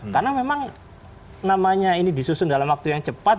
karena memang namanya ini disusun dalam waktu yang cepat